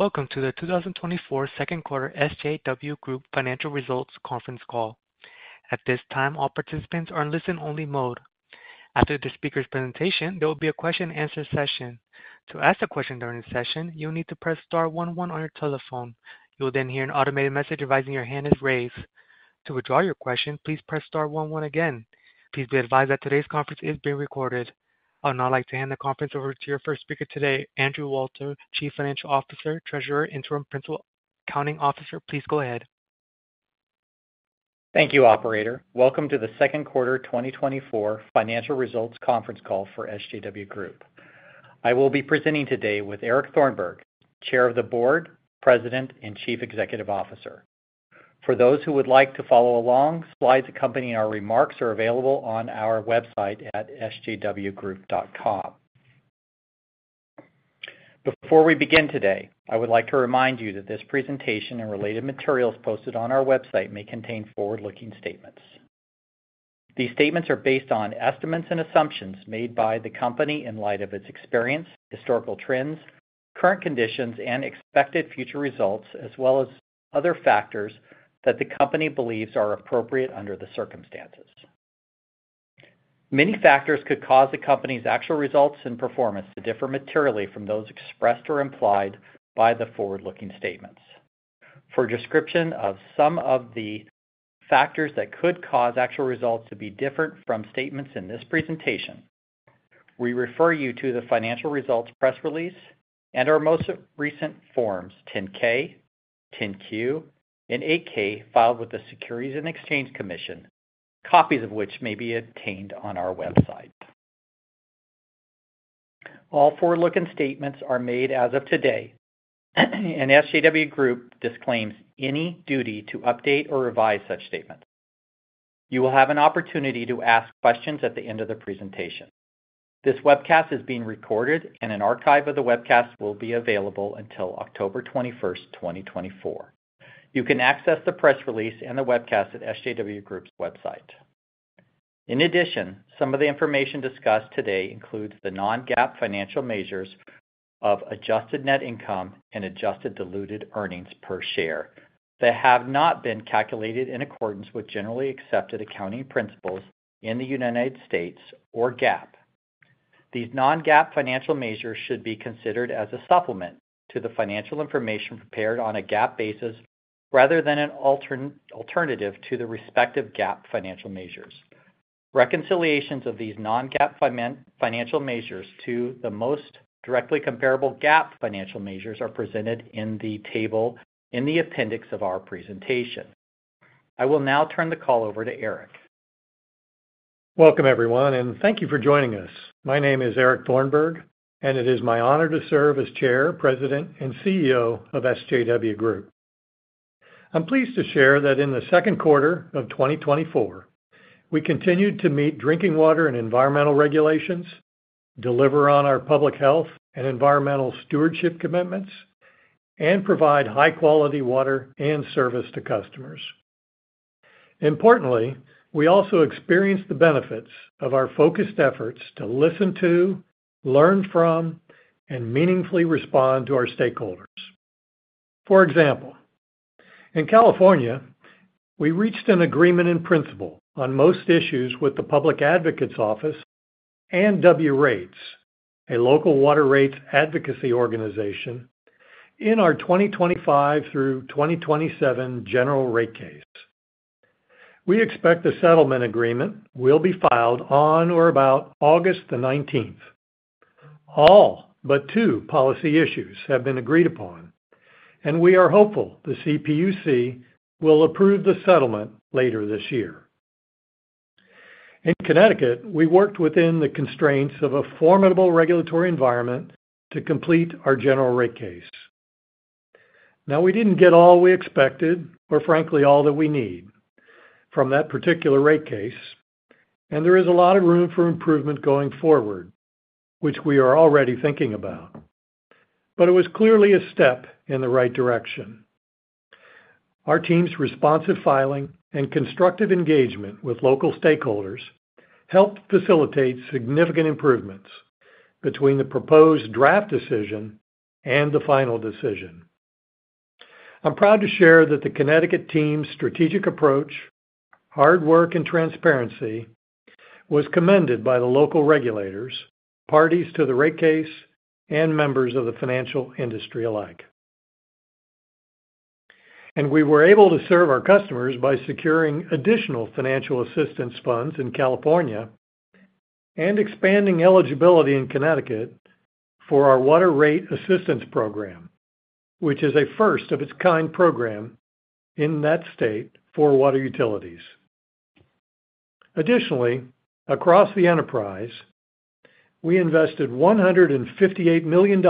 Okay. Welcome to the 2024 second quarter SJW Group financial results conference call. At this time, all participants are in listen-only mode. After the speaker's presentation, there will be a question-and-answer session. To ask a question during the session, you'll need to press star 11 on your telephone. You will then hear an automated message advising your hand is raised. To withdraw your question, please press star 11 again. Please be advised that today's conference is being recorded. I would now like to hand the conference over to your first speaker today, Andrew Walters, Chief Financial Officer, Treasurer, Interim Principal Accounting Officer. Please go ahead. Thank you, Operator. Welcome to the second quarter 2024 financial results conference call for SJW Group. I will be presenting today with Eric Thornburg, Chair of the Board, President, and Chief Executive Officer. For those who would like to follow along, slides accompanying our remarks are available on our website at sjwgroup.com. Before we begin today, I would like to remind you that this presentation and related materials posted on our website may contain forward-looking statements. These statements are based on estimates and assumptions made by the company in light of its experience, historical trends, current conditions, and expected future results, as well as other factors that the company believes are appropriate under the circumstances. Many factors could cause the company's actual results and performance to differ materially from those expressed or implied by the forward-looking statements. For a description of some of the factors that could cause actual results to be different from statements in this presentation, we refer you to the financial results press release and our most recent forms 10-K, 10-Q, and 8-K filed with the Securities and Exchange Commission, copies of which may be obtained on our website. All forward-looking statements are made as of today, and SJW Group disclaims any duty to update or revise such statements. You will have an opportunity to ask questions at the end of the presentation. This webcast is being recorded, and an archive of the webcast will be available until October 21st, 2024. You can access the press release and the webcast at SJW Group's website. In addition, some of the information discussed today includes the Non-GAAP financial measures of adjusted net income and adjusted diluted earnings per share that have not been calculated in accordance with generally accepted accounting principles in the United States or GAAP. These Non-GAAP financial measures should be considered as a supplement to the financial information prepared on a GAAP basis rather than an alternative to the respective GAAP financial measures. Reconciliations of these Non-GAAP financial measures to the most directly comparable GAAP financial measures are presented in the table in the appendix of our presentation. I will now turn the call over to Eric. Welcome, everyone, and thank you for joining us. My name is Eric Thornburg, and it is my honor to serve as Chair, President, and CEO of SJW Group. I'm pleased to share that in the second quarter of 2024, we continued to meet drinking water and environmental regulations, deliver on our public health and environmental stewardship commitments, and provide high-quality water and service to customers. Importantly, we also experienced the benefits of our focused efforts to listen to, learn from, and meaningfully respond to our stakeholders. For example, in California, we reached an agreement in principle on most issues with the Public Advocates Office and WRATES, a local water rates advocacy organization, in our 2025 through 2027 general rate case. We expect the settlement agreement will be filed on or about August 19th. All but two policy issues have been agreed upon, and we are hopeful the CPUC will approve the settlement later this year. In Connecticut, we worked within the constraints of a formidable regulatory environment to complete our general rate case. Now, we didn't get all we expected, or frankly, all that we need from that particular rate case, and there is a lot of room for improvement going forward, which we are already thinking about. But it was clearly a step in the right direction. Our team's responsive filing and constructive engagement with local stakeholders helped facilitate significant improvements between the proposed draft decision and the final decision. I'm proud to share that the Connecticut team's strategic approach, hard work, and transparency was commended by the local regulators, parties to the rate case, and members of the financial industry alike. We were able to serve our customers by securing additional financial assistance funds in California and expanding eligibility in Connecticut for our Water Rate Assistance Program, which is a first-of-its-kind program in that state for water utilities. Additionally, across the enterprise, we invested $158 million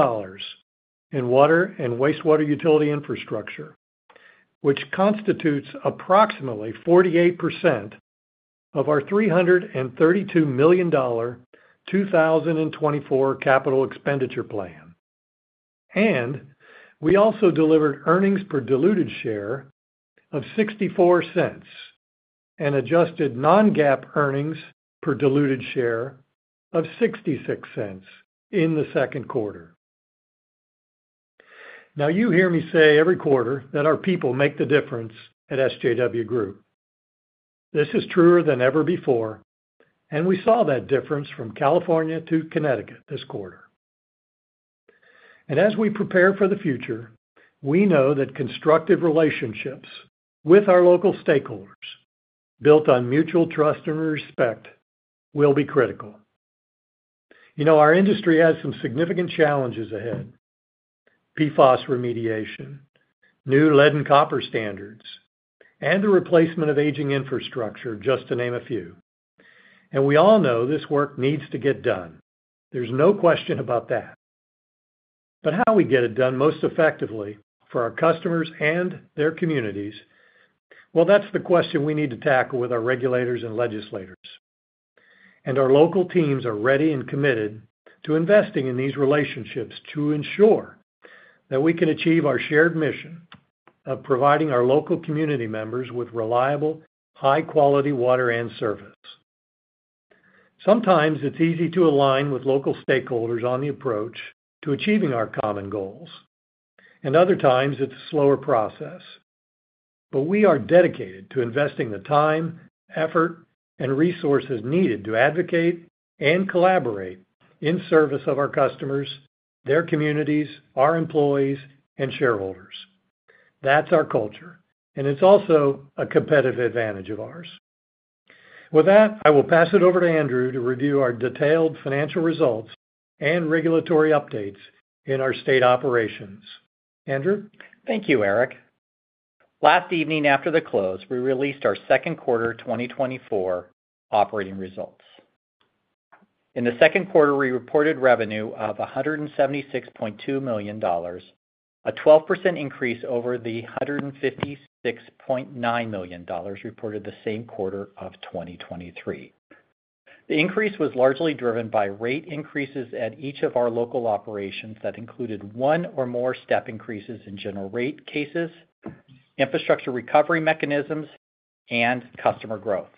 in water and wastewater utility infrastructure, which constitutes approximately 48% of our $332 million 2024 capital expenditure plan. We also delivered earnings per diluted share of $0.64 and adjusted non-GAAP earnings per diluted share of $0.66 in the second quarter. Now, you hear me say every quarter that our people make the difference at SJW Group. This is truer than ever before, and we saw that difference from California to Connecticut this quarter. As we prepare for the future, we know that constructive relationships with our local stakeholders, built on mutual trust and respect, will be critical. You know, our industry has some significant challenges ahead: PFAS remediation, new lead and copper standards, and the replacement of aging infrastructure, just to name a few. We all know this work needs to get done. There's no question about that. But how we get it done most effectively for our customers and their communities, well, that's the question we need to tackle with our regulators and legislators. Our local teams are ready and committed to investing in these relationships to ensure that we can achieve our shared mission of providing our local community members with reliable, high-quality water and service. Sometimes it's easy to align with local stakeholders on the approach to achieving our common goals, and other times it's a slower process. But we are dedicated to investing the time, effort, and resources needed to advocate and collaborate in service of our customers, their communities, our employees, and shareholders. That's our culture, and it's also a competitive advantage of ours. With that, I will pass it over to Andrew to review our detailed financial results and regulatory updates in our state operations. Andrew? Thank you, Eric. Last evening after the close, we released our second quarter 2024 operating results. In the second quarter, we reported revenue of $176.2 million, a 12% increase over the $156.9 million reported the same quarter of 2023. The increase was largely driven by rate increases at each of our local operations that included one or more step increases in general rate cases, infrastructure recovery mechanisms, and customer growth.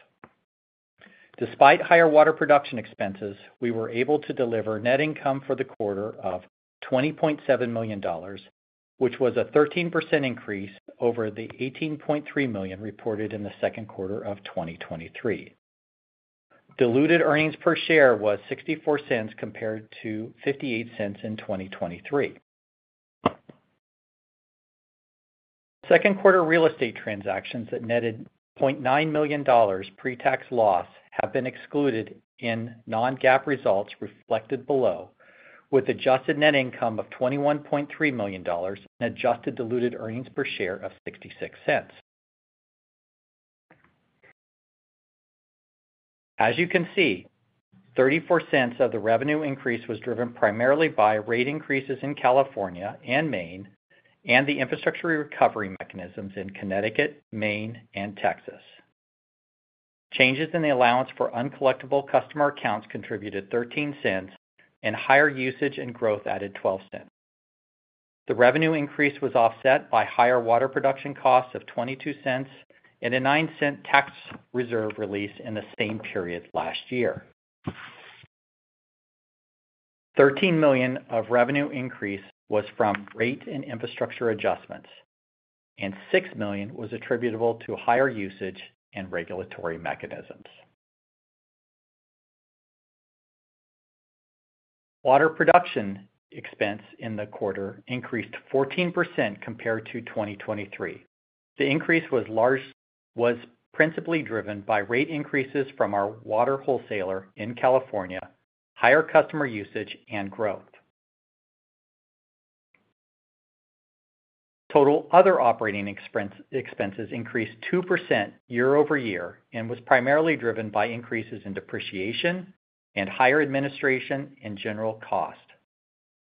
Despite higher water production expenses, we were able to deliver net income for the quarter of $20.7 million, which was a 13% increase over the $18.3 million reported in the second quarter of 2023. Diluted earnings per share was $0.64 compared to $0.58 in 2023. Second quarter real estate transactions that netted $0.9 million pre-tax loss have been excluded in non-GAAP results reflected below, with adjusted net income of $21.3 million and adjusted diluted earnings per share of $0.66. As you can see, $0.34 of the revenue increase was driven primarily by rate increases in California and Maine and the infrastructure recovery mechanisms in Connecticut, Maine, and Texas. Changes in the allowance for uncollectible customer accounts contributed $0.13, and higher usage and growth added $0.12. The revenue increase was offset by higher water production costs of $0.22 and a $0.09 tax reserve release in the same period last year. $13 million of revenue increase was from rate and infrastructure adjustments, and $6 million was attributable to higher usage and regulatory mechanisms. Water production expense in the quarter increased 14% compared to 2023. The increase was principally driven by rate increases from our water wholesaler in California, higher customer usage, and growth. Total other operating expenses increased 2% year over year and was primarily driven by increases in depreciation and higher administration and general cost,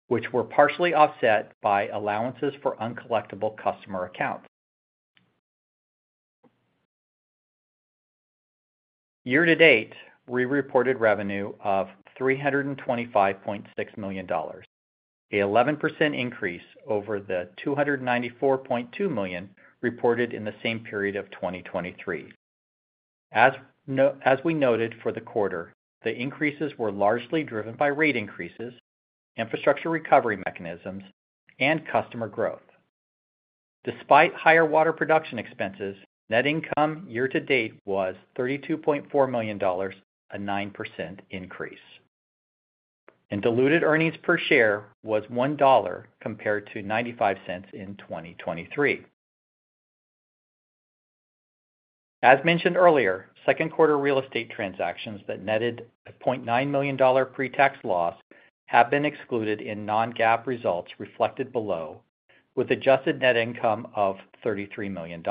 which were partially offset by allowances for uncollectible customer accounts. Year to date, we reported revenue of $325.6 million, an 11% increase over the $294.2 million reported in the same period of 2023. As we noted for the quarter, the increases were largely driven by rate increases, infrastructure recovery mechanisms, and customer growth. Despite higher water production expenses, net income year to date was $32.4 million, a 9% increase. Diluted earnings per share was $1 compared to $0.95 in 2023. As mentioned earlier, second quarter real estate transactions that netted a $0.9 million pre-tax loss have been excluded in Non-GAAP results reflected below, with adjusted net income of $33 million.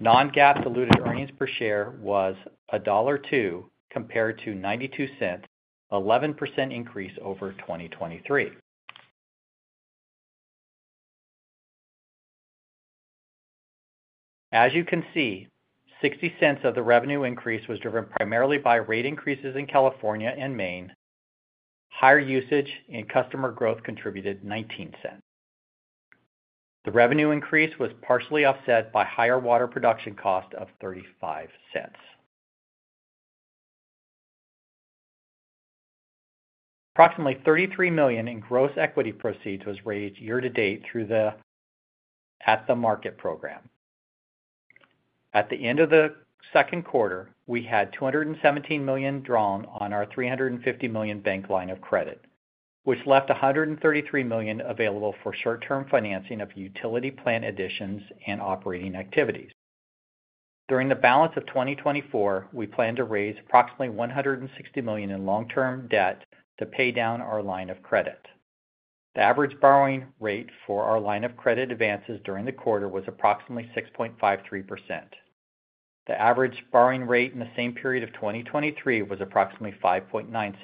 Non-GAAP diluted earnings per share was $1.02 compared to $0.92, an 11% increase over 2023. As you can see, $0.60 of the revenue increase was driven primarily by rate increases in California and Maine. Higher usage and customer growth contributed $0.19. The revenue increase was partially offset by higher water production cost of $0.35. Approximately $33 million in gross equity proceeds was raised year to date through the at-the-market program. At the end of the second quarter, we had $217 million drawn on our $350 million bank line of credit, which left $133 million available for short-term financing of utility plan additions and operating activities. During the balance of 2024, we plan to raise approximately $160 million in long-term debt to pay down our line of credit. The average borrowing rate for our line of credit advances during the quarter was approximately 6.53%. The average borrowing rate in the same period of 2023 was approximately 5.96%.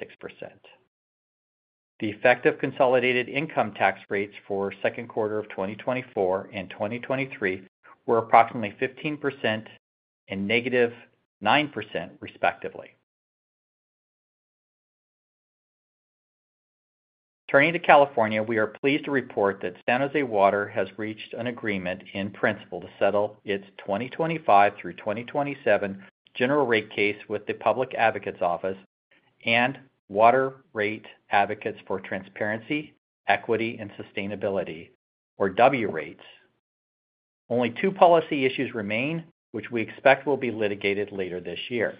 The effective consolidated income tax rates for second quarter of 2024 and 2023 were approximately 15% and -9%, respectively. Turning to California, we are pleased to report that San Jose Water has reached an agreement in principle to settle its 2025 through 2027 general rate case with the Public Advocates Office and Water Rate Advocates for Transparency, Equity, and Sustainability, or W-Rates. Only two policy issues remain, which we expect will be litigated later this year.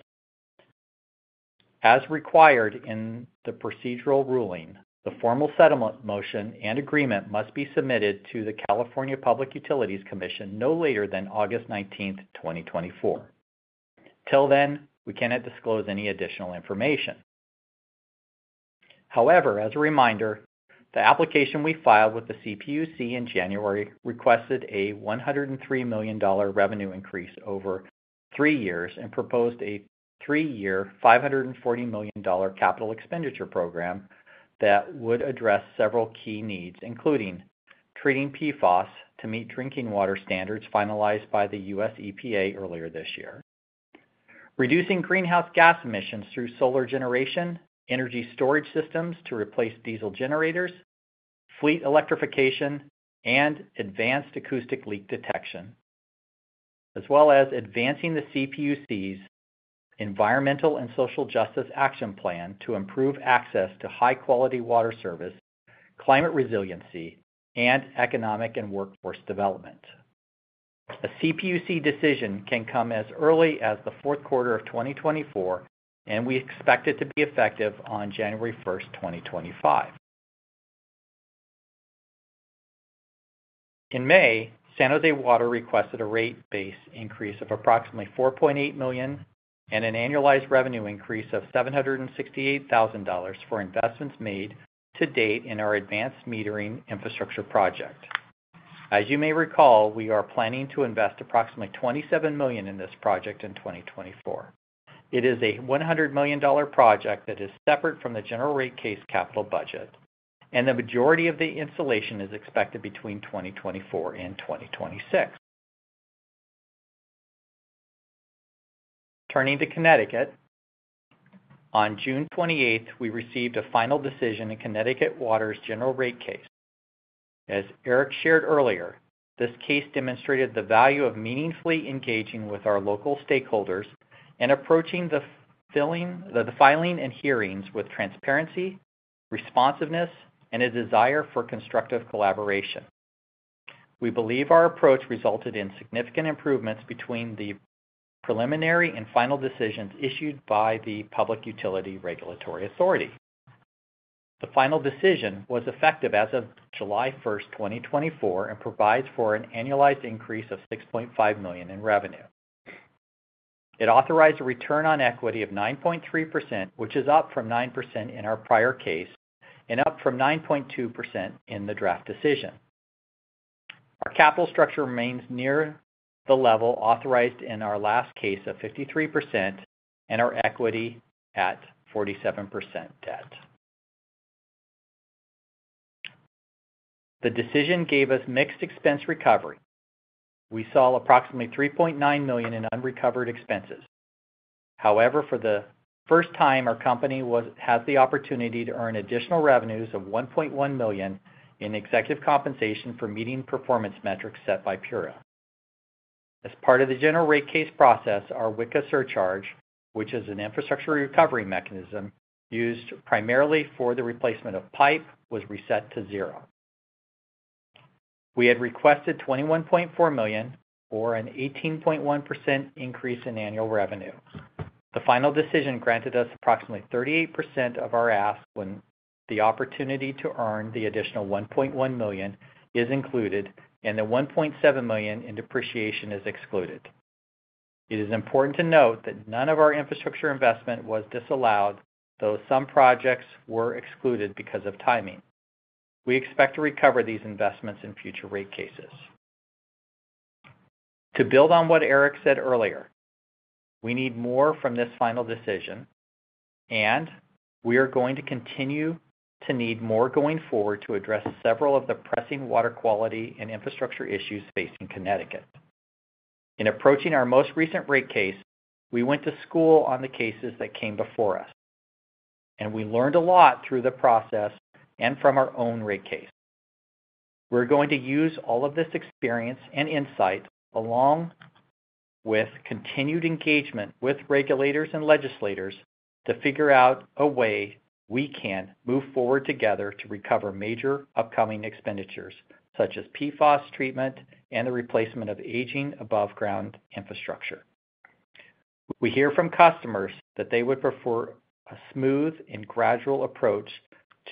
As required in the procedural ruling, the formal settlement motion and agreement must be submitted to the California Public Utilities Commission no later than August 19th, 2024. Till then, we cannot disclose any additional information. However, as a reminder, the application we filed with the CPUC in January requested a $103 million revenue increase over three years and proposed a three-year $540 million capital expenditure program that would address several key needs, including treating PFAS to meet drinking water standards finalized by the U.S. EPA earlier this year, reducing greenhouse gas emissions through solar generation, energy storage systems to replace diesel generators, fleet electrification, and advanced acoustic leak detection, as well as advancing the CPUC's Environmental and Social Justice Action Plan to improve access to high-quality water service, climate resiliency, and economic and workforce development. A CPUC decision can come as early as the fourth quarter of 2024, and we expect it to be effective on January 1st, 2025. In May, San Jose Water requested a rate-based increase of approximately $4.8 million and an annualized revenue increase of $768,000 for investments made to date in our advanced metering infrastructure project. As you may recall, we are planning to invest approximately $27 million in this project in 2024. It is a $100 million project that is separate from the general rate case capital budget, and the majority of the installation is expected between 2024 and 2026. Turning to Connecticut, on June 28th, we received a final decision in Connecticut Water's general rate case. As Eric shared earlier, this case demonstrated the value of meaningfully engaging with our local stakeholders and approaching the filing and hearings with transparency, responsiveness, and a desire for constructive collaboration. We believe our approach resulted in significant improvements between the preliminary and final decisions issued by the Public Utility Regulatory Authority. The final decision was effective as of July 1st, 2024, and provides for an annualized increase of $6.5 million in revenue. It authorized a return on equity of 9.3%, which is up from 9% in our prior case and up from 9.2% in the draft decision. Our capital structure remains near the level authorized in our last case of 53% and our equity at 47% debt. The decision gave us mixed expense recovery. We saw approximately $3.9 million in unrecovered expenses. However, for the first time, our company has the opportunity to earn additional revenues of $1.1 million in executive compensation for meeting performance metrics set by PURA. As part of the general rate case process, our WICA surcharge, which is an infrastructure recovery mechanism used primarily for the replacement of pipe, was reset to zero. We had requested $21.4 million for an 18.1% increase in annual revenue. The final decision granted us approximately 38% of our ask when the opportunity to earn the additional $1.1 million is included, and the $1.7 million in depreciation is excluded. It is important to note that none of our infrastructure investment was disallowed, though some projects were excluded because of timing. We expect to recover these investments in future rate cases. To build on what Eric said earlier, we need more from this final decision, and we are going to continue to need more going forward to address several of the pressing water quality and infrastructure issues facing Connecticut. In approaching our most recent rate case, we went to school on the cases that came before us, and we learned a lot through the process and from our own rate case. We're going to use all of this experience and insight along with continued engagement with regulators and legislators to figure out a way we can move forward together to recover major upcoming expenditures, such as PFAS treatment and the replacement of aging above-ground infrastructure. We hear from customers that they would prefer a smooth and gradual approach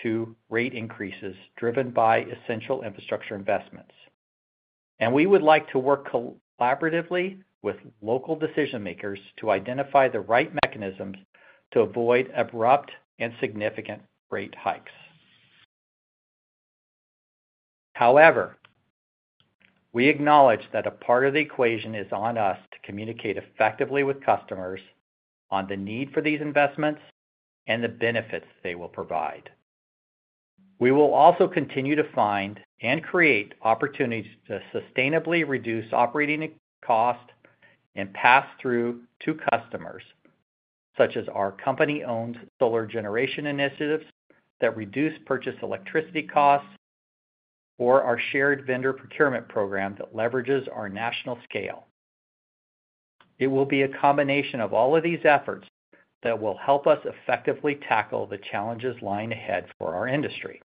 to rate increases driven by essential infrastructure investments. We would like to work collaboratively with local decision-makers to identify the right mechanisms to avoid abrupt and significant rate hikes. However, we acknowledge that a part of the equation is on us to communicate effectively with customers on the need for these investments and the benefits they will provide. We will also continue to find and create opportunities to sustainably reduce operating costs and pass through to customers, such as our company-owned solar generation initiatives that reduce purchase electricity costs or our shared vendor procurement program that leverages our national scale. It will be a combination of all of these efforts that will help us effectively tackle the challenges lying ahead for our industry.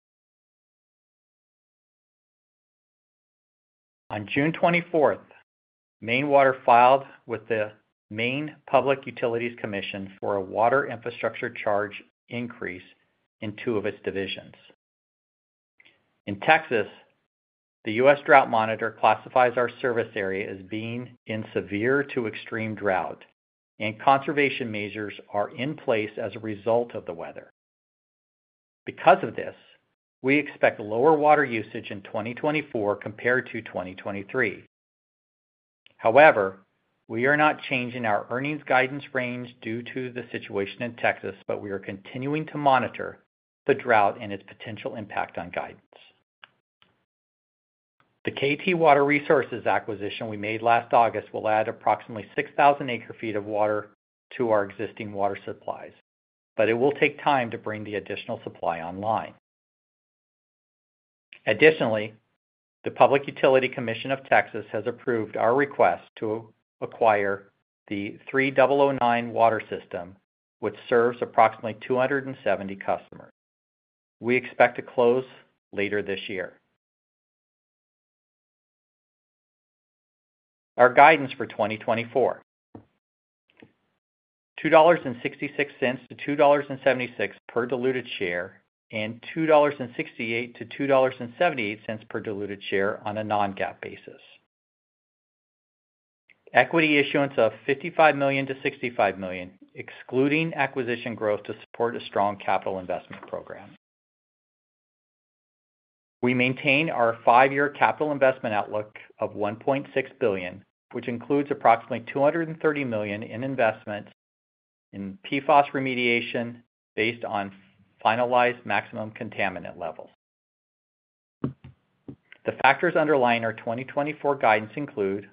On June 24th, Maine Water filed with the Maine Public Utilities Commission for a water infrastructure charge increase in two of its divisions. In Texas, the U.S. Drought Monitor classifies our service area as being in severe to extreme drought, and conservation measures are in place as a result of the weather. Because of this, we expect lower water usage in 2024 compared to 2023. However, we are not changing our earnings guidance range due to the situation in Texas, but we are continuing to monitor the drought and its potential impact on guidance. The KT Water Resources acquisition we made last August will add approximately 6,000 acre-feet of water to our existing water supplies, but it will take time to bring the additional supply online. Additionally, the Public Utility Commission of Texas has approved our request to acquire the 3009 Water Company, which serves approximately 270 customers. We expect to close later this year. Our guidance for 2024: $2.66-$2.76 per diluted share and $2.68-$2.78 per diluted share on a non-GAAP basis. Equity issuance of $55 million-$65 million, excluding acquisition growth to support a strong capital investment program. We maintain our five-year capital investment outlook of $1.6 billion, which includes approximately $230 million in investment in PFAS remediation based on finalized maximum contaminant levels. The factors underlying our 2024 guidance include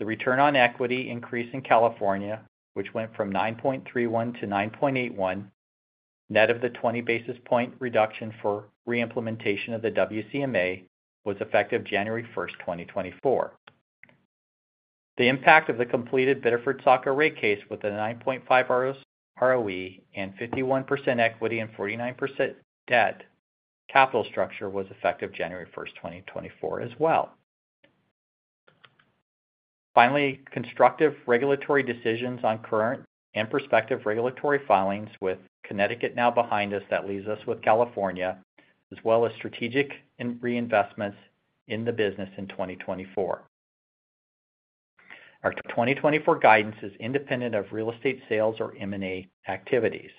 the return on equity increase in California, which went from 9.31% to 9.81%, net of the 20 basis point reduction for reimplementation of the WCMA, was effective January 1st, 2024. The impact of the completed Biddeford-Saco rate case with a 9.5% ROE and 51% equity and 49% debt capital structure was effective January 1st, 2024 as well. Finally, constructive regulatory decisions on current and prospective regulatory filings with Connecticut now behind us that leaves us with California, as well as strategic reinvestments in the business in 2024. Our 2024 guidance is independent of real estate sales or M&A activities.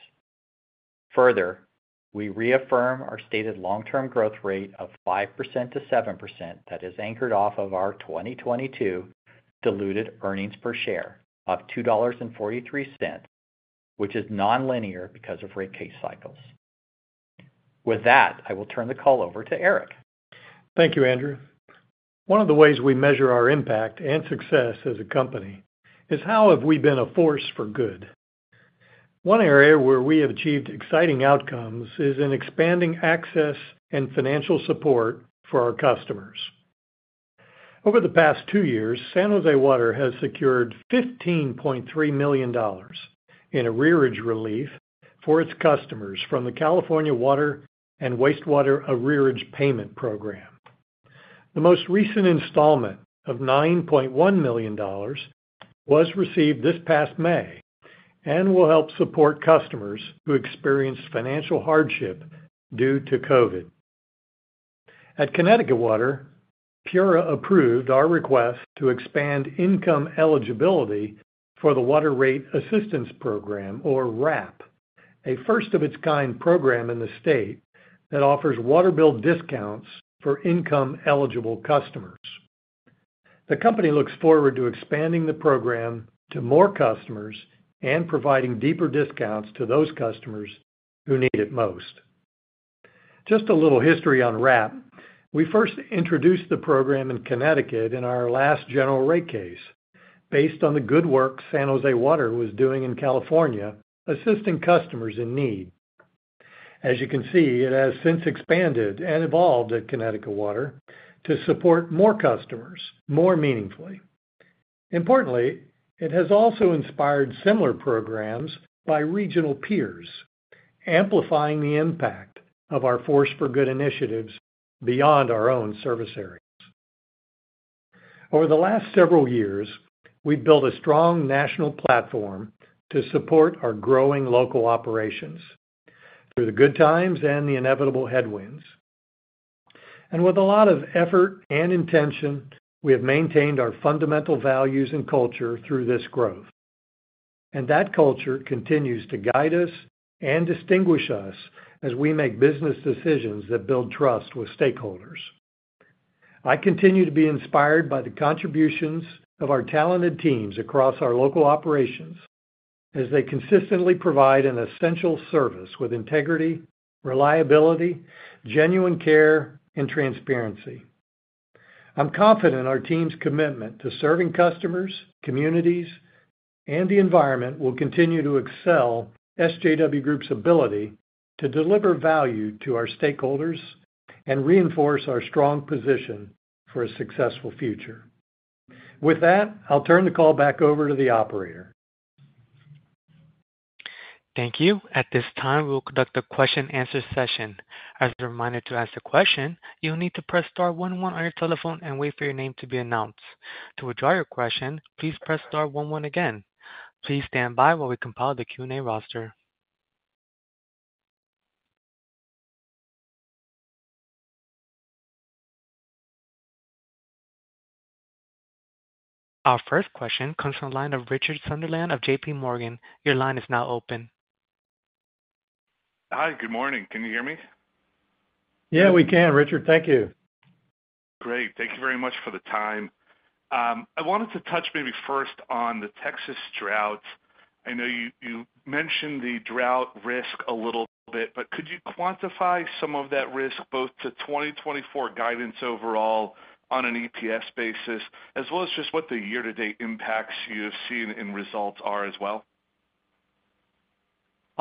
Further, we reaffirm our stated long-term growth rate of 5%-7% that is anchored off of our 2022 diluted earnings per share of $2.43, which is non-linear because of rate case cycles. With that, I will turn the call over to Eric. Thank you, Andrew. One of the ways we measure our impact and success as a company is how have we been a force for good? One area where we have achieved exciting outcomes is in expanding access and financial support for our customers. Over the past two years, San Jose Water has secured $15.3 million in arrearage relief for its customers from the California Water and Wastewater Arrearage Payment Program. The most recent installment of $9.1 million was received this past May and will help support customers who experienced financial hardship due to COVID. At Connecticut Water, PURA approved our request to expand income eligibility for the Water Rate Assistance Program, or WRAP, a first-of-its-kind program in the state that offers water bill discounts for income-eligible customers. The company looks forward to expanding the program to more customers and providing deeper discounts to those customers who need it most. Just a little history on WRAP. We first introduced the program in Connecticut in our last general rate case based on the good work San Jose Water was doing in California assisting customers in need. As you can see, it has since expanded and evolved at Connecticut Water to support more customers more meaningfully. Importantly, it has also inspired similar programs by regional peers, amplifying the impact of our force for good initiatives beyond our own service areas. Over the last several years, we've built a strong national platform to support our growing local operations through the good times and the inevitable headwinds. And with a lot of effort and intention, we have maintained our fundamental values and culture through this growth. And that culture continues to guide us and distinguish us as we make business decisions that build trust with stakeholders. I continue to be inspired by the contributions of our talented teams across our local operations as they consistently provide an essential service with integrity, reliability, genuine care, and transparency. I'm confident our team's commitment to serving customers, communities, and the environment will continue to excel SJW Group's ability to deliver value to our stakeholders and reinforce our strong position for a successful future. With that, I'll turn the call back over to the operator. Thank you. At this time, we will conduct a question-and-answer session. As a reminder to ask a question, you'll need to press star 11 on your telephone and wait for your name to be announced. To withdraw your question, please press star 11 again. Please stand by while we compile the Q&A roster. Our first question comes from the line of Richard Sunderland of J.P. Morgan. Your line is now open. Hi, good morning. Can you hear me? Yeah, we can, Richard. Thank you. Great. Thank you very much for the time. I wanted to touch maybe first on the Texas drought. I know you mentioned the drought risk a little bit, but could you quantify some of that risk both to 2024 guidance overall on an EPS basis, as well as just what the year-to-date impacts you have seen in results are as well?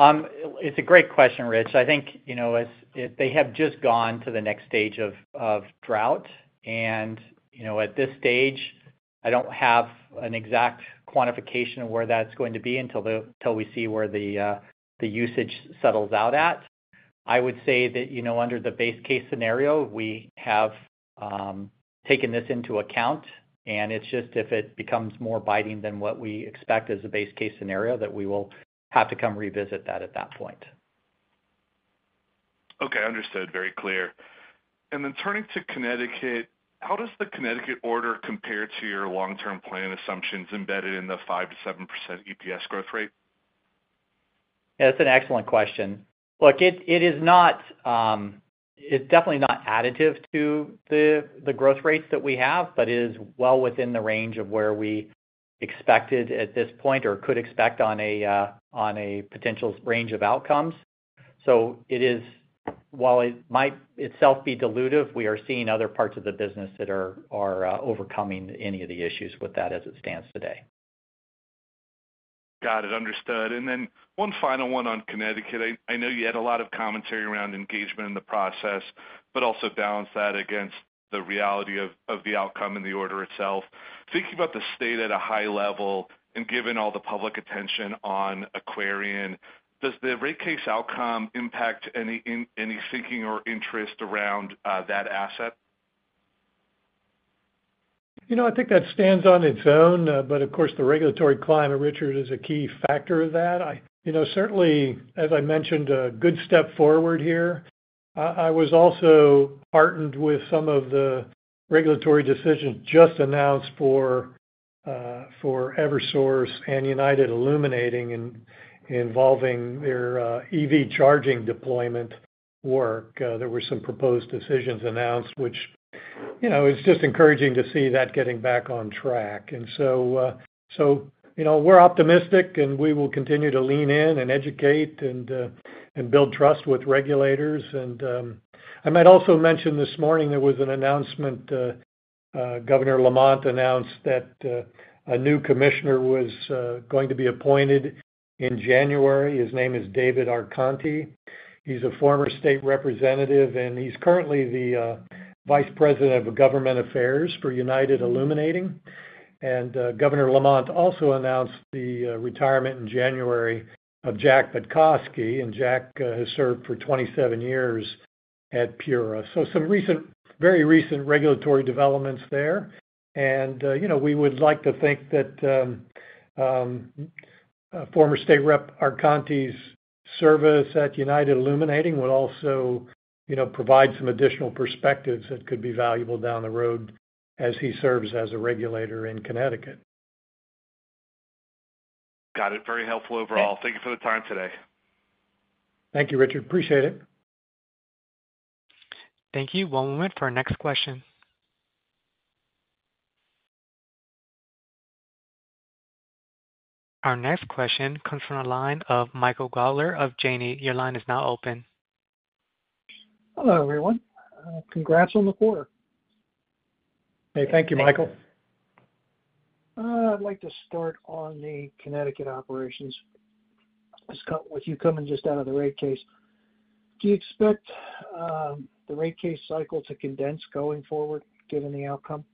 It's a great question, Rich. I think they have just gone to the next stage of drought. At this stage, I don't have an exact quantification of where that's going to be until we see where the usage settles out at. I would say that under the base case scenario, we have taken this into account. It's just if it becomes more biting than what we expect as a base case scenario, that we will have to come revisit that at that point. Okay. Understood. Very clear. Then turning to Connecticut, how does the Connecticut order compare to your long-term plan assumptions embedded in the 5%-7% EPS growth rate? That's an excellent question. Look, it is definitely not additive to the growth rates that we have, but it is well within the range of where we expected at this point or could expect on a potential range of outcomes. So while it might itself be dilutive, we are seeing other parts of the business that are overcoming any of the issues with that as it stands today. Got it. Understood. And then one final one on Connecticut. I know you had a lot of commentary around engagement in the process, but also balance that against the reality of the outcome and the order itself. Thinking about the state at a high level and given all the public attention on Aquarion, does the rate case outcome impact any thinking or interest around that asset? I think that stands on its own. But of course, the regulatory climate, Richard, is a key factor of that. Certainly, as I mentioned, a good step forward here. I was also heartened with some of the regulatory decisions just announced for Eversource and United Illuminating involving their EV charging deployment work. There were some proposed decisions announced, which it's just encouraging to see that getting back on track. And so we're optimistic, and we will continue to lean in and educate and build trust with regulators. And I might also mention this morning there was an announcement. Governor Lamont announced that a new commissioner was going to be appointed in January. His name is David Arconti. He's a former state representative, and he's currently the Vice President of government affairs for United Illuminating. And Governor Lamont also announced the retirement in January of Jack Betkoski. And Jack has served for 27 years at PURA. So some very recent regulatory developments there. And we would like to think that former state rep Arconti's service at United Illuminating would also provide some additional perspectives that could be valuable down the road as he serves as a regulator in Connecticut. Got it. Very helpful overall. Thank you for the time today. Thank you, Richard. Appreciate it. Thank you. One moment for our next question. Our next question comes from the line of Michael Gaugler of Janney. Your line is now open. Hello, everyone. Congrats on the quarter. Hey, thank you, Michael. I'd like to start on the Connecticut operations. I just got with you coming just out of the rate case. Do you expect the rate case cycle to condense going forward given the outcome?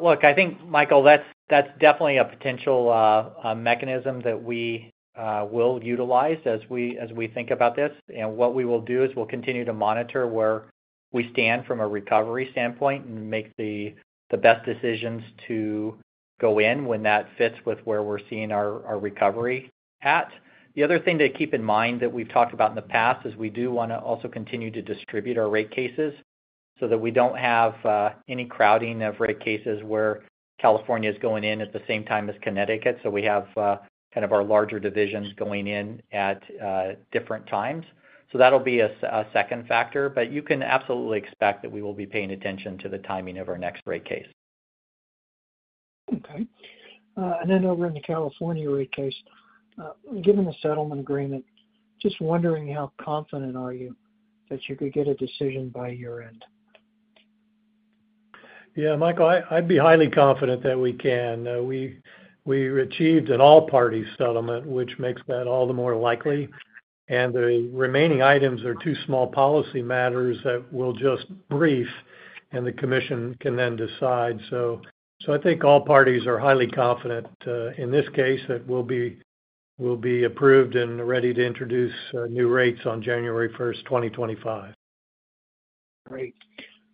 Look, I think, Michael, that's definitely a potential mechanism that we will utilize as we think about this. And what we will do is we'll continue to monitor where we stand from a recovery standpoint and make the best decisions to go in when that fits with where we're seeing our recovery at. The other thing to keep in mind that we've talked about in the past is we do want to also continue to distribute our rate cases so that we don't have any crowding of rate cases where California is going in at the same time as Connecticut. So we have kind of our larger divisions going in at different times. So that'll be a second factor. But you can absolutely expect that we will be paying attention to the timing of our next rate case. Okay. And then over in the California rate case, given the settlement agreement, just wondering how confident are you that you could get a decision by year-end? Yeah, Michael, I'd be highly confident that we can. We achieved an all-party settlement, which makes that all the more likely. The remaining items are two small policy matters that we'll just brief, and the commission can then decide. So I think all parties are highly confident in this case that we'll be approved and ready to introduce new rates on January 1st, 2025. Great.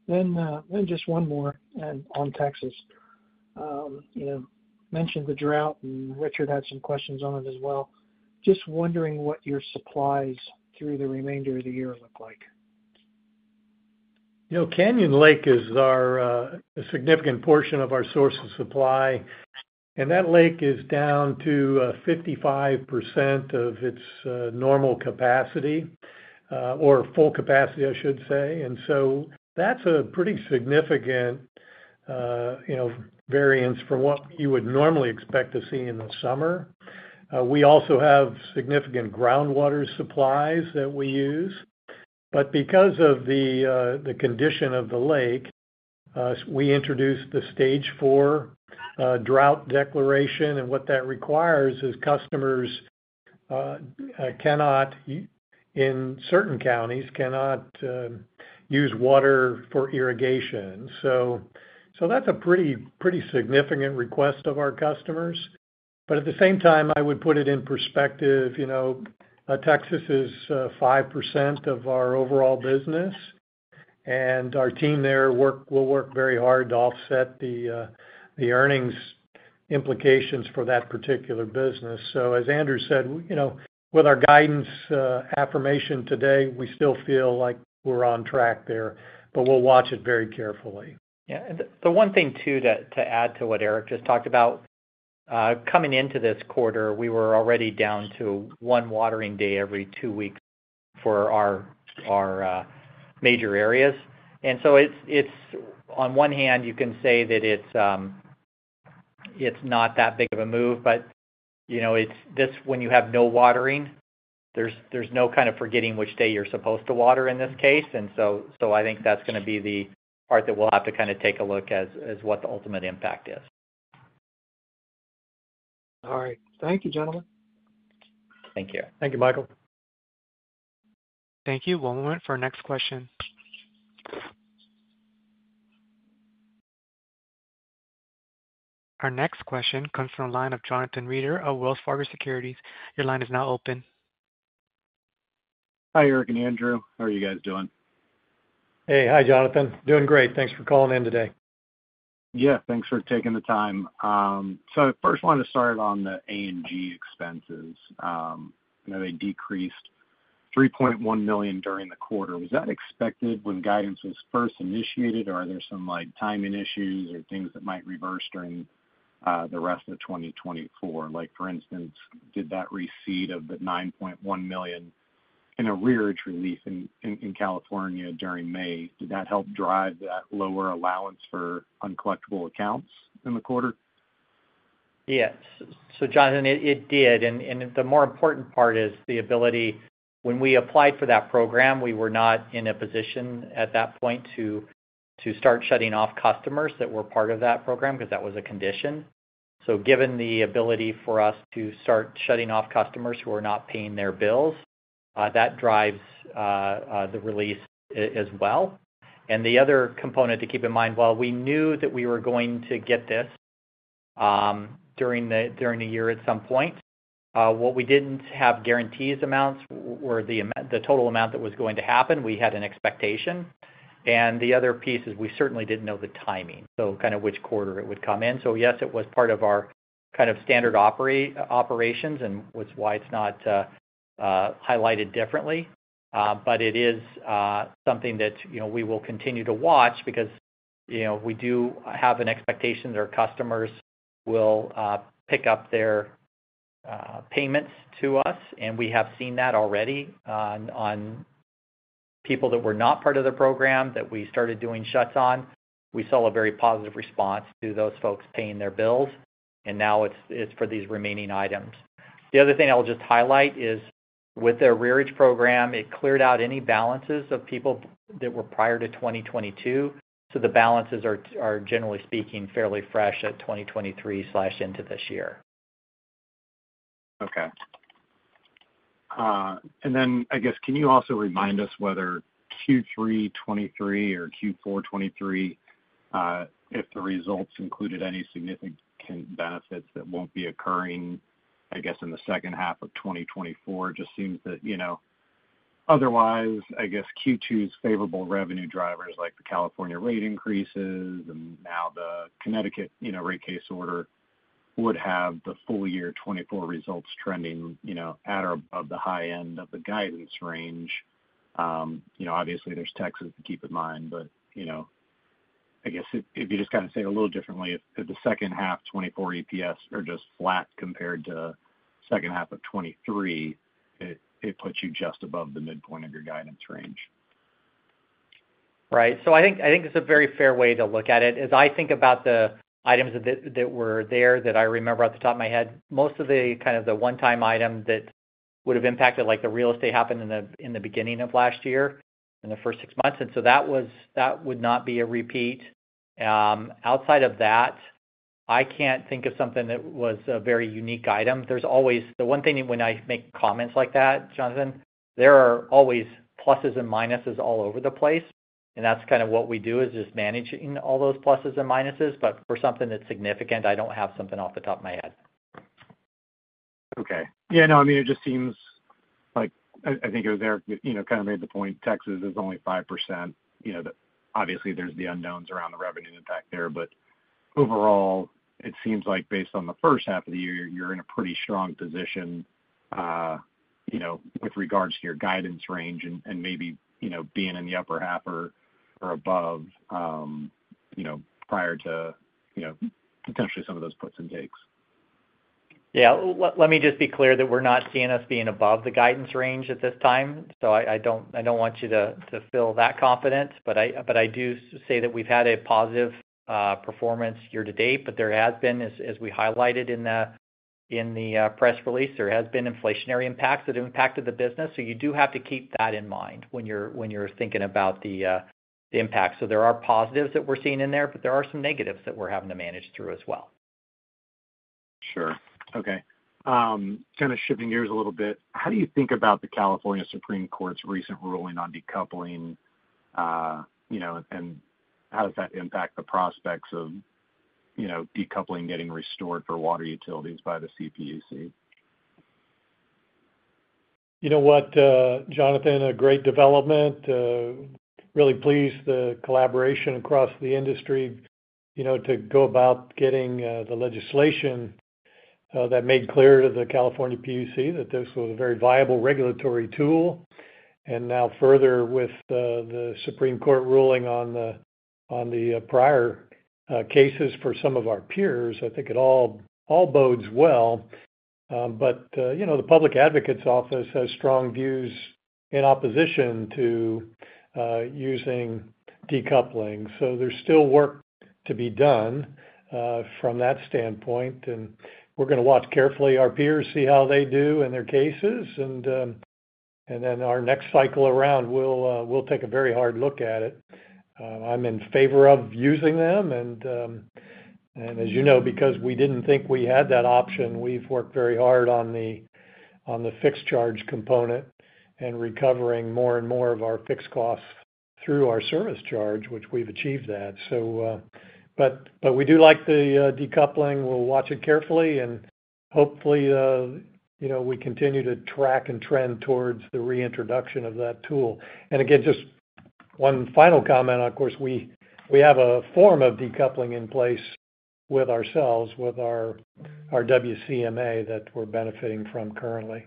Then just one more on Texas. You mentioned the drought, and Richard had some questions on it as well. Just wondering what your supplies through the remainder of the year look like. Canyon Lake is a significant portion of our source of supply. And that lake is down to 55% of its normal capacity or full capacity, I should say. And so that's a pretty significant variance from what you would normally expect to see in the summer. We also have significant groundwater supplies that we use. But because of the condition of the lake, we introduced the stage four drought declaration. What that requires is customers cannot, in certain counties, cannot use water for irrigation. That's a pretty significant request of our customers. At the same time, I would put it in perspective. Texas is 5% of our overall business. Our team there will work very hard to offset the earnings implications for that particular business. As Andrew said, with our guidance affirmation today, we still feel like we're on track there. We'll watch it very carefully. Yeah. The one thing too to add to what Eric just talked about, coming into this quarter, we were already down to one watering day every 2 weeks for our major areas. So on one hand, you can say that it's not that big of a move. But when you have no watering, there's no kind of forgetting which day you're supposed to water in this case. And so I think that's going to be the part that we'll have to kind of take a look at as what the ultimate impact is. All right. Thank you, gentlemen. Thank you. Thank you, Michael. Thank you. One moment for our next question. Our next question comes from the line of Jonathan Reeder of Wells Fargo Securities. Your line is now open. Hi, Eric and Andrew. How are you guys doing? Hey. Hi, Jonathan. Doing great. Thanks for calling in today. Yeah. Thanks for taking the time. So I first wanted to start on the A&G expenses. They decreased $3.1 million during the quarter. Was that expected when guidance was first initiated, or are there some timing issues or things that might reverse during the rest of 2024? For instance, did that receipt of the $9.1 million in ARPA relief in California during May, did that help drive that lower allowance for uncollectible accounts in the quarter? Yes. So, Jonathan, it did. And the more important part is the ability when we applied for that program, we were not in a position at that point to start shutting off customers that were part of that program because that was a condition. So given the ability for us to start shutting off customers who are not paying their bills, that drives the release as well. And the other component to keep in mind, while we knew that we were going to get this during the year at some point, what we didn't have guaranteed amounts were the total amount that was going to happen. We had an expectation. And the other piece is we certainly didn't know the timing, so kind of which quarter it would come in. So yes, it was part of our kind of standard operations and that's why it's not highlighted differently. But it is something that we will continue to watch because we do have an expectation that our customers will pick up their payments to us. And we have seen that already on people that were not part of the program that we started doing shuts on. We saw a very positive response to those folks paying their bills. And now it's for these remaining items. The other thing I'll just highlight is with their arrearage program, it cleared out any balances of people that were prior to 2022. So the balances are, generally speaking, fairly fresh at 2023/into this year. Okay. And then, I guess, can you also remind us whether Q3 2023 or Q4 2023, if the results included any significant benefits that won't be occurring, I guess, in the second half of 2024? It just seems that otherwise, I guess, Q2's favorable revenue drivers like the California rate increases and now the Connecticut rate case order would have the full year 2024 results trending at or above the high end of the guidance range. Obviously, there's Texas to keep in mind. But I guess if you just kind of say a little differently, if the second half 2024 EPS are just flat compared to second half of 2023, it puts you just above the midpoint of your guidance range. Right. So I think it's a very fair way to look at it. As I think about the items that were there that I remember off the top of my head, most of the kind of the one-time item that would have impacted the real estate happened in the beginning of last year in the first six months. And so that would not be a repeat. Outside of that, I can't think of something that was a very unique item. The one thing when I make comments like that, Jonathan, there are always pluses and minuses all over the place. And that's kind of what we do is just managing all those pluses and minuses. But for something that's significant, I don't have something off the top of my head. Okay. Yeah. No, I mean, it just seems like I think it was Eric kind of made the point. Texas is only 5%. Obviously, there's the unknowns around the revenue impact there. But overall, it seems like based on the first half of the year, you're in a pretty strong position with regards to your guidance range and maybe being in the upper half or above prior to potentially some of those puts and takes. Yeah. Let me just be clear that we're not seeing us being above the guidance range at this time. So I don't want you to feel that confident. But I do say that we've had a positive performance year to date. But there has been, as we highlighted in the press release, there has been inflationary impacts that have impacted the business. So you do have to keep that in mind when you're thinking about the impact. So there are positives that we're seeing in there, but there are some negatives that we're having to manage through as well. Sure. Okay. Kind of shifting gears a little bit, how do you think about the California Supreme Court's recent ruling on decoupling, and how does that impact the prospects of decoupling getting restored for water utilities by the CPUC? You know what, Jonathan? A great development. Really pleased the collaboration across the industry to go about getting the legislation that made clear to the California PUC that this was a very viable regulatory tool. And now further with the Supreme Court ruling on the prior cases for some of our peers, I think it all bodes well. But the Public Advocates Office has strong views in opposition to using decoupling. So there's still work to be done from that standpoint. And we're going to watch carefully our peers, see how they do in their cases. And then our next cycle around, we'll take a very hard look at it. I'm in favor of using them. As you know, because we didn't think we had that option, we've worked very hard on the fixed charge component and recovering more and more of our fixed costs through our service charge, which we've achieved that. We do like the decoupling. We'll watch it carefully. Hopefully, we continue to track and trend towards the reintroduction of that tool. Again, just one final comment. Of course, we have a form of decoupling in place with ourselves, with our WCMA that we're benefiting from currently.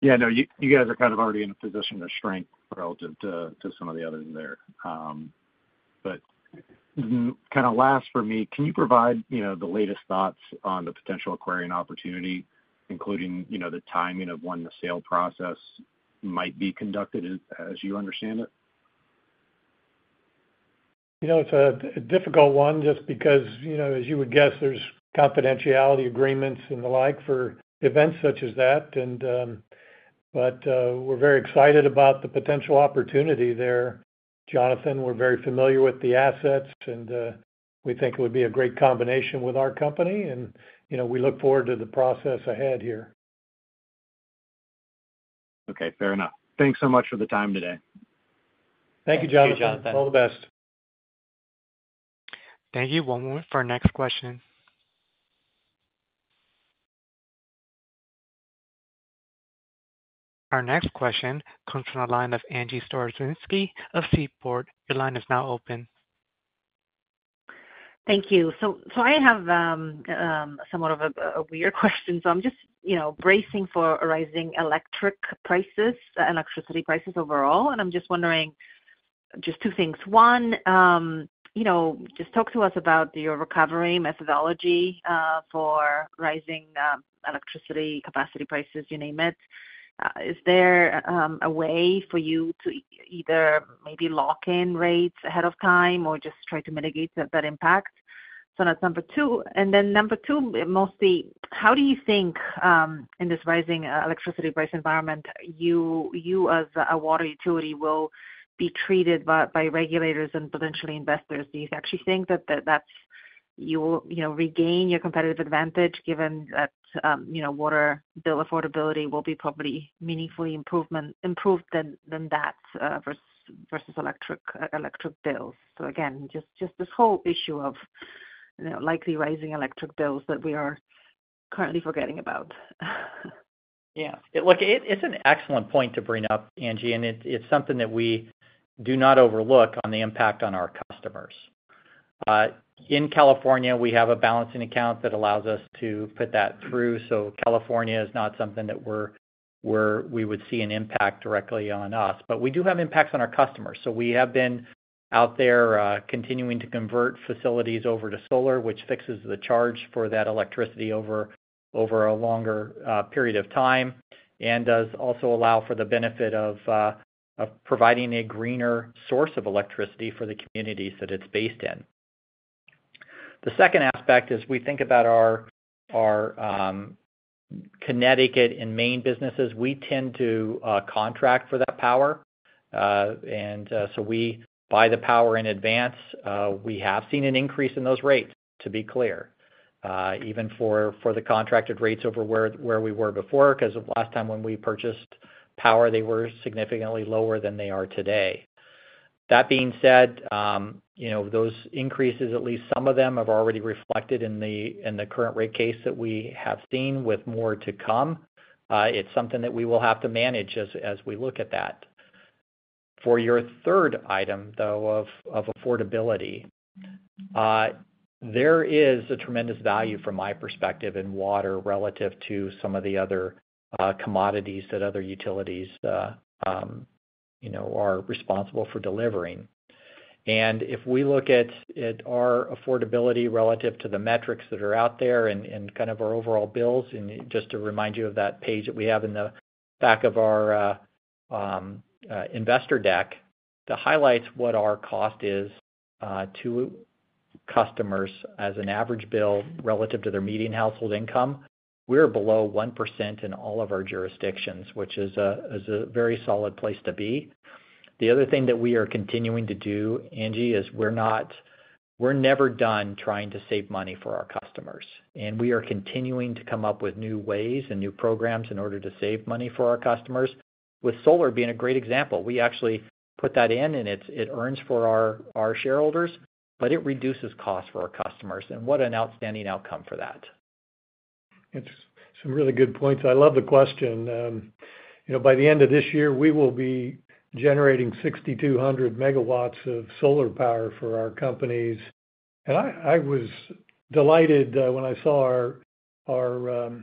Yeah. No, you guys are kind of already in a position to shrink relative to some of the others there. Kind of last for me, can you provide the latest thoughts on the potential acquiring opportunity, including the timing of when the sale process might be conducted as you understand it? It's a difficult one just because, as you would guess, there's confidentiality agreements and the like for events such as that. But we're very excited about the potential opportunity there, Jonathan. We're very familiar with the assets, and we think it would be a great combination with our company. And we look forward to the process ahead here. Okay. Fair enough. Thanks so much for the time today. Thank you, Jonathan. All the best. Thank you. One moment for our next question. Our next question comes from the line of Angie Storozynski of Seaport. Your line is now open. Thank you. So I have somewhat of a weird question. So I'm just bracing for rising electric prices, electricity prices overall. And I'm just wondering just two things. One, just talk to us about your recovery methodology for rising electricity capacity prices, you name it. Is there a way for you to either maybe lock in rates ahead of time or just try to mitigate that impact? So that's number 2. And then number 2, mostly, how do you think in this rising electricity price environment, you as a water utility will be treated by regulators and potentially investors? Do you actually think that you will regain your competitive advantage given that water bill affordability will be probably meaningfully improved than that versus electric bills? So again, just this whole issue of likely rising electric bills that we are currently forgetting about. Yeah. Look, it's an excellent point to bring up, Angie. And it's something that we do not overlook on the impact on our customers. In California, we have a balancing account that allows us to put that through. So California is not something that we would see an impact directly on us. But we do have impacts on our customers. So we have been out there continuing to convert facilities over to solar, which fixes the charge for that electricity over a longer period of time and does also allow for the benefit of providing a greener source of electricity for the communities that it's based in. The second aspect is we think about our Connecticut and Maine businesses. We tend to contract for that power. And so we buy the power in advance. We have seen an increase in those rates, to be clear, even for the contracted rates over where we were before because last time when we purchased power, they were significantly lower than they are today. That being said, those increases, at least some of them, have already reflected in the current rate case that we have seen with more to come. It's something that we will have to manage as we look at that. For your third item, though, of affordability, there is a tremendous value from my perspective in water relative to some of the other commodities that other utilities are responsible for delivering. And if we look at our affordability relative to the metrics that are out there and kind of our overall bills, and just to remind you of that page that we have in the back of our investor deck, it highlights what our cost is to customers as an average bill relative to their median household income, we're below 1% in all of our jurisdictions, which is a very solid place to be. The other thing that we are continuing to do, Angie, is we're never done trying to save money for our customers. We are continuing to come up with new ways and new programs in order to save money for our customers, with solar being a great example. We actually put that in, and it earns for our shareholders, but it reduces costs for our customers. What an outstanding outcome for that. It's some really good points. I love the question. By the end of this year, we will be generating 6,200 MW of solar power for our companies. I was delighted when I saw our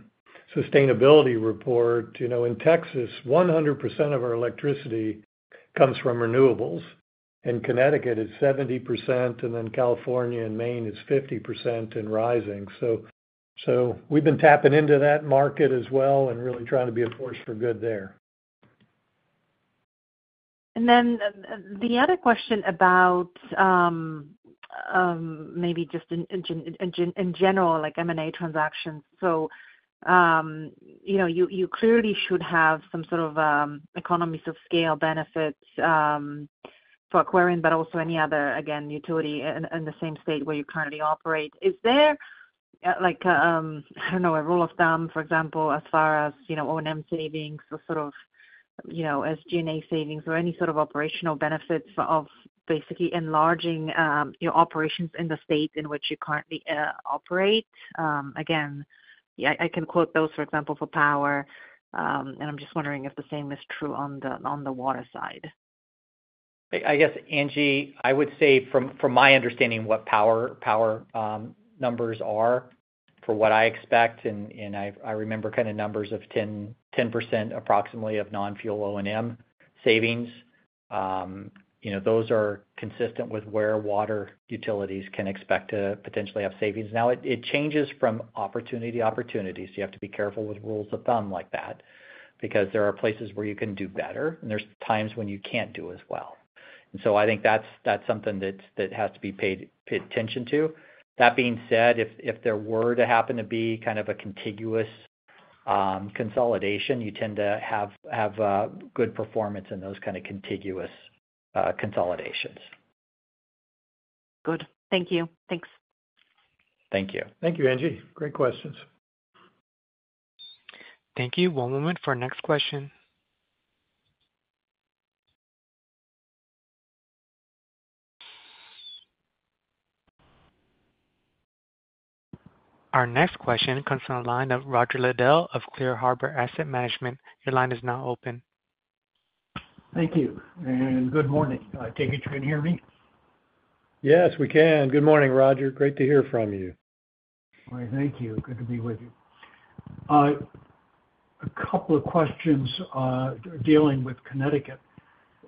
sustainability report. In Texas, 100% of our electricity comes from renewables. In Connecticut, it's 70%, and then California and Maine is 50% and rising. We've been tapping into that market as well and really trying to be a force for good there. Then the other question about maybe just in general, like M&A transactions. So you clearly should have some sort of economies of scale benefits for acquiring, but also any other, again, utility in the same state where you currently operate. Is there, I don't know, a rule of thumb, for example, as far as O&M savings or sort of SG&A savings or any sort of operational benefits of basically enlarging your operations in the state in which you currently operate? Again, I can quote those, for example, for power. And I'm just wondering if the same is true on the water side. I guess, Angie, I would say from my understanding what power numbers are for what I expect, and I remember kind of numbers of 10% approximately of non-fuel O&M savings, those are consistent with where water utilities can expect to potentially have savings. Now, it changes from opportunity to opportunity. So you have to be careful with rules of thumb like that because there are places where you can do better, and there's times when you can't do as well. And so I think that's something that has to be paid attention to. That being said, if there were to happen to be kind of a contiguous consolidation, you tend to have good performance in those kind of contiguous consolidations. Good. Thank you. Thanks. Thank you. Thank you, Angie. Great questions. Thank you. One moment for our next question. Our next question comes from the line of Roger Liddell of Clear Harbor Asset Management. Your line is now open. Thank you. And good morning. I take it you can hear me? Yes, we can. Good morning, Roger. Great to hear from you. All right. Thank you. Good to be with you. A couple of questions dealing with Connecticut.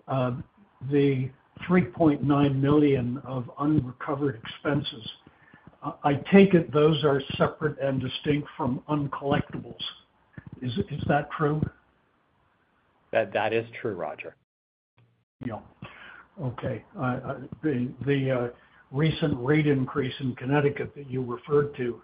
The $3.9 million of unrecovered expenses, I take it those are separate and distinct from uncollectibles. Is that true? That is true, Roger. Yeah. Okay. The recent rate increase in Connecticut that you referred to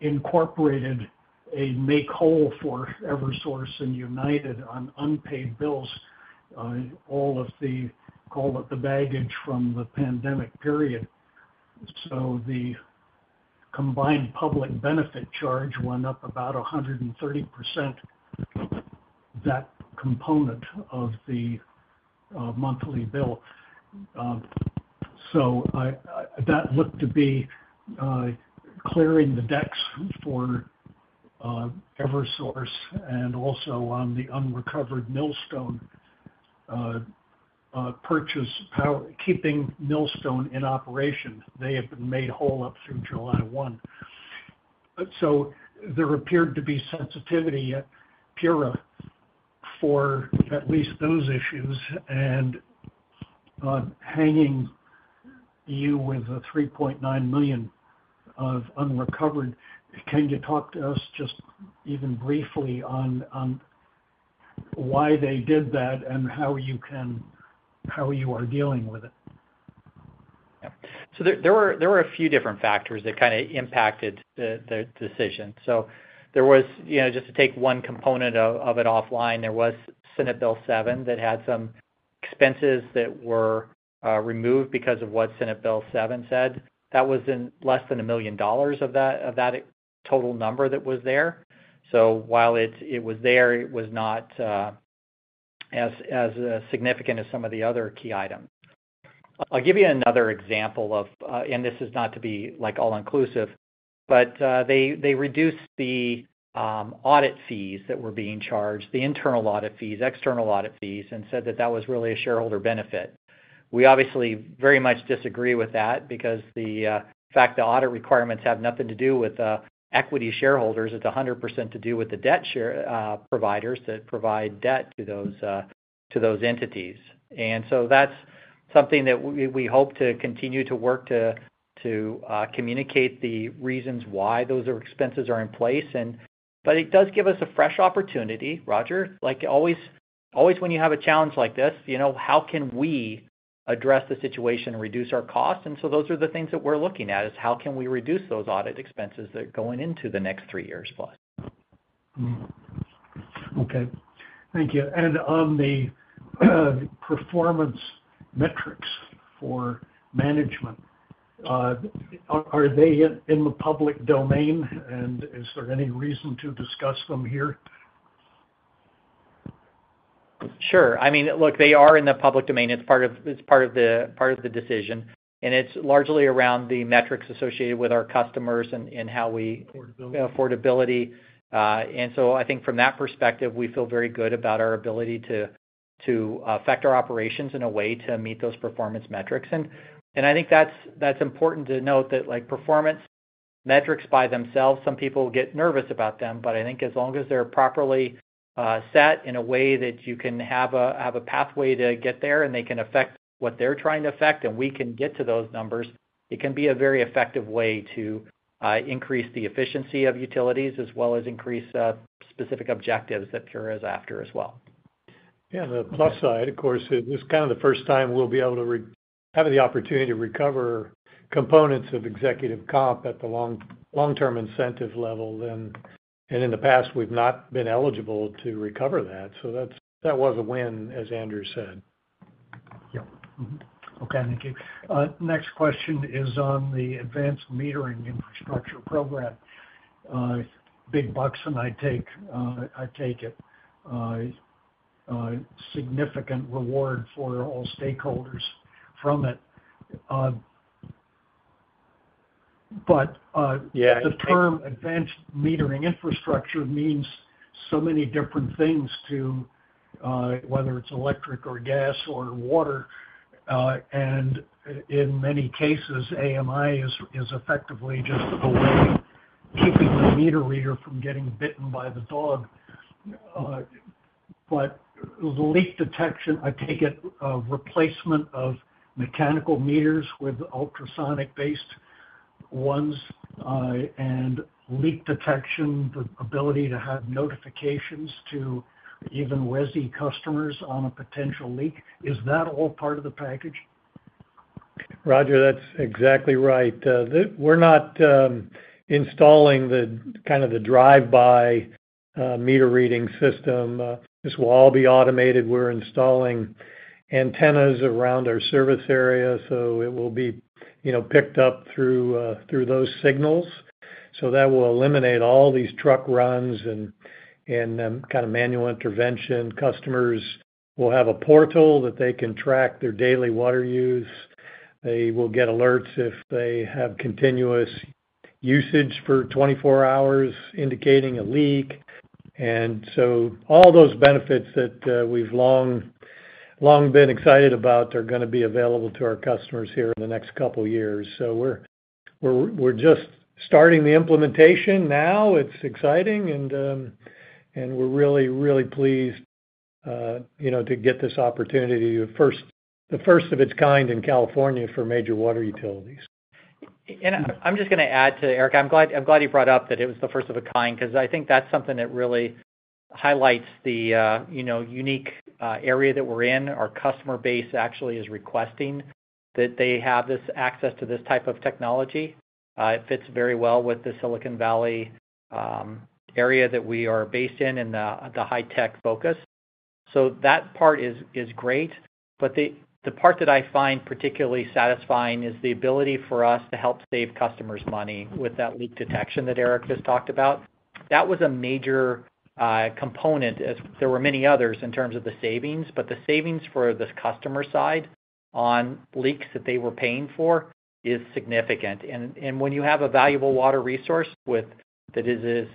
incorporated a make-whole for Eversource and United on unpaid bills, all of the baggage from the pandemic period. So the combined public benefit charge went up about 130%, that component of the monthly bill. So that looked to be clearing the decks for Eversource and also on the unrecovered Millstone purchase, keeping Millstone in operation. They have been made whole up through July 1. So there appeared to be sensitivity at PURA for at least those issues. And hanging you with a $3.9 million of unrecovered, can you talk to us just even briefly on why they did that and how you are dealing with it? Yeah. So there were a few different factors that kind of impacted the decision. So just to take one component of it offline, there was Senate Bill 7 that had some expenses that were removed because of what Senate Bill 7 said. That was in less than $1 million of that total number that was there. So while it was there, it was not as significant as some of the other key items. I'll give you another example of, and this is not to be all-inclusive, but they reduced the audit fees that were being charged, the internal audit fees, external audit fees, and said that that was really a shareholder benefit. We obviously very much disagree with that because the fact that audit requirements have nothing to do with equity shareholders is 100% to do with the debt providers that provide debt to those entities. And so that's something that we hope to continue to work to communicate the reasons why those expenses are in place. But it does give us a fresh opportunity, Roger. Always when you have a challenge like this, how can we address the situation and reduce our costs? And so those are the things that we're looking at is how can we reduce those audit expenses that are going into the next 3 years plus? Okay. Thank you. And on the performance metrics for management, are they in the public domain? And is there any reason to discuss them here? Sure. I mean, look, they are in the public domain. It's part of the decision. And it's largely around the metrics associated with our customers and how we affordability. So I think from that perspective, we feel very good about our ability to affect our operations in a way to meet those performance metrics. I think that's important to note that performance metrics by themselves, some people get nervous about them. But I think as long as they're properly set in a way that you can have a pathway to get there and they can affect what they're trying to affect and we can get to those numbers, it can be a very effective way to increase the efficiency of utilities as well as increase specific objectives that PURA is after as well. Yeah. The plus side, of course, is this is kind of the first time we'll be able to have the opportunity to recover components of executive comp at the long-term incentive level. In the past, we've not been eligible to recover that. So that was a win, as Andrew said. Yeah. Okay. Thank you. Next question is on the advanced metering infrastructure program. Big bucks, and I take it. Significant reward for all stakeholders from it. But the term advanced metering infrastructure means so many different things to whether it's electric or gas or water. And in many cases, AMI is effectively just a way of keeping the meter reader from getting bitten by the dog. But leak detection, I take it a replacement of mechanical meters with ultrasonic-based ones and leak detection, the ability to have notifications to even resi customers on a potential leak. Is that all part of the package? Roger, that's exactly right. We're not installing kind of the drive-by meter reading system. This will all be automated. We're installing antennas around our service area, so it will be picked up through those signals. So that will eliminate all these truck runs and kind of manual intervention. Customers will have a portal that they can track their daily water use. They will get alerts if they have continuous usage for 24 hours indicating a leak. And so all those benefits that we've long been excited about are going to be available to our customers here in the next couple of years. So we're just starting the implementation now. It's exciting, and we're really, really pleased to get this opportunity, the first of its kind in California for major water utilities. And I'm just going to add to Eric. I'm glad you brought up that it was the first of its kind because I think that's something that really highlights the unique area that we're in. Our customer base actually is requesting that they have this access to this type of technology. It fits very well with the Silicon Valley area that we are based in and the high-tech focus. So that part is great. But the part that I find particularly satisfying is the ability for us to help save customers money with that leak detection that Eric just talked about. That was a major component. There were many others in terms of the savings, but the savings for this customer side on leaks that they were paying for is significant. And when you have a valuable water resource that is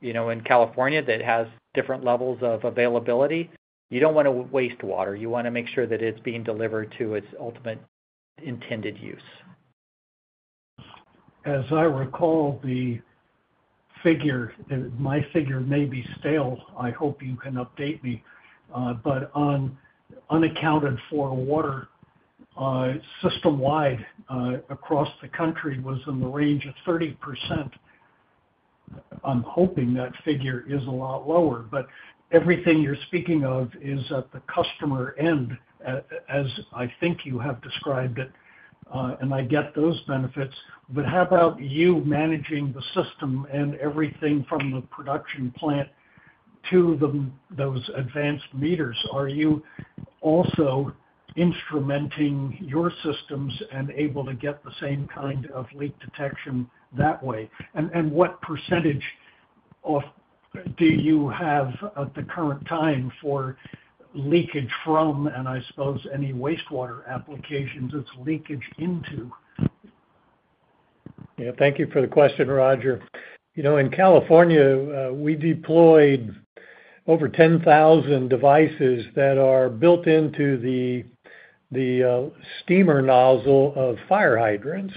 in California that has different levels of availability, you don't want to waste water. You want to make sure that it's being delivered to its ultimate intended use. As I recall, the figure, and my figure may be stale. I hope you can update me. But unaccounted for water system-wide across the country was in the range of 30%. I'm hoping that figure is a lot lower. But everything you're speaking of is at the customer end, as I think you have described it, and I get those benefits. But how about you managing the system and everything from the production plant to those advanced meters? Are you also instrumenting your systems and able to get the same kind of leak detection that way? And what percentage do you have at the current time for leakage from, and I suppose, any wastewater applications? It's leakage into. Yeah. Thank you for the question, Roger. In California, we deployed over 10,000 devices that are built into the steamer nozzle of fire hydrants.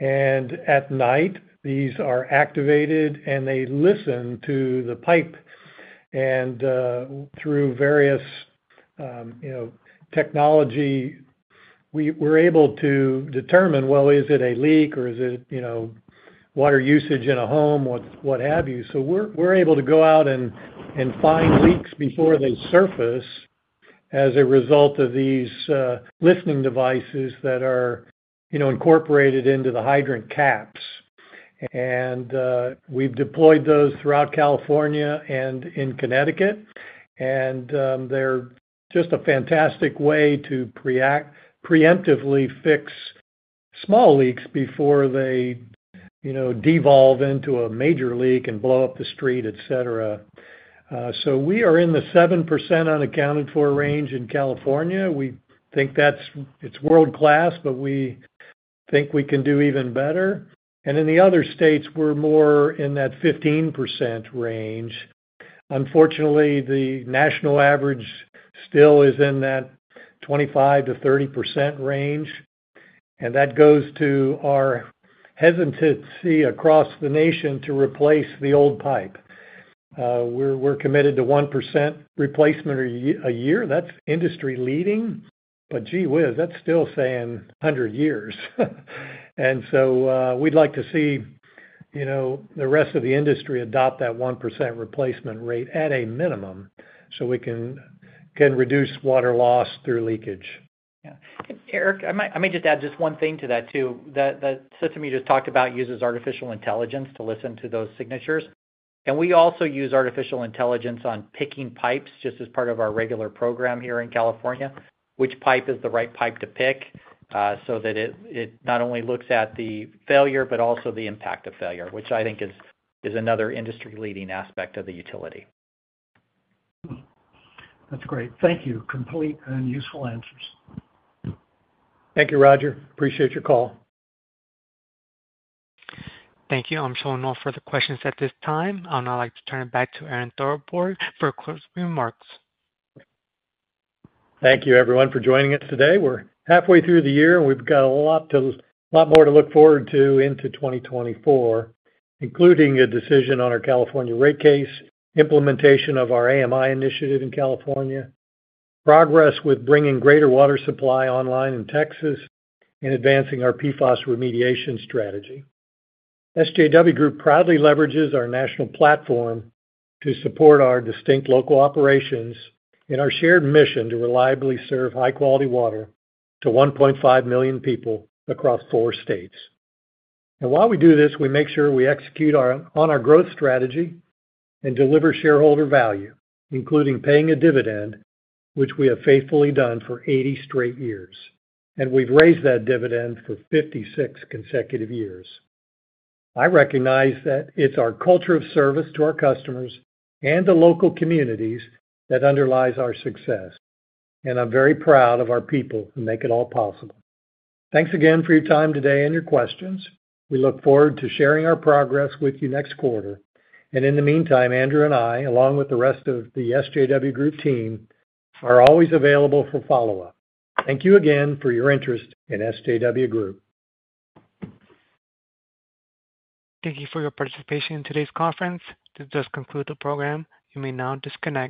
At night, these are activated, and they listen to the pipe. Through various technology, we're able to determine, well, is it a leak, or is it water usage in a home, what have you? So we're able to go out and find leaks before they surface as a result of these listening devices that are incorporated into the hydrant caps. And we've deployed those throughout California and in Connecticut. And they're just a fantastic way to preemptively fix small leaks before they devolve into a major leak and blow up the street, etc. So we are in the 7% unaccounted for range in California. We think it's world-class, but we think we can do even better. And in the other states, we're more in that 15% range. Unfortunately, the national average still is in that 25%-30% range. And that goes to our hesitancy across the nation to replace the old pipe. We're committed to 1% replacement a year. That's industry-leading. But gee whiz, that's still saying 100 years. So we'd like to see the rest of the industry adopt that 1% replacemen`t rate at a minimum so we can reduce water loss through leakage. Yeah. Eric, I might just add just one thing to that too. The system you just talked about uses artificial intelligence to listen to those signatures. And we also use artificial intelligence on picking pipes just as part of our regular program here in California, which pipe is the right pipe to pick so that it not only looks at the failure but also the impact of failure, which I think is another industry-leading aspect of the utility. That's great. Thank you. Complete and useful answers. Thank you, Roger. Appreciate your call. Thank you. I'm showing no further questions at this time. I'll now like to turn it back to Eric Thornburg for closing remarks. Thank you, everyone, for joining us today. We're halfway through the year, and we've got a lot more to look forward to into 2024, including a decision on our California rate case, implementation of our AMI initiative in California, progress with bringing greater water supply online in Texas, and advancing our PFAS remediation strategy. SJW Group proudly leverages our national platform to support our distinct local operations and our shared mission to reliably serve high-quality water to 1.5 million people across four states. While we do this, we make sure we execute on our growth strategy and deliver shareholder value, including paying a dividend, which we have faithfully done for 80 straight years. We've raised that dividend for 56 consecutive years. I recognize that it's our culture of service to our customers and the local communities that underlies our success. I'm very proud of our people who make it all possible. Thanks again for your time today and your questions. We look forward to sharing our progress with you next quarter. In the meantime, Andrew and I, along with the rest of the SJW Group team, are always available for follow-up. Thank you again for your interest in SJW Group. Thank you for your participation in today's conference. This does conclude the program. You may now disconnect.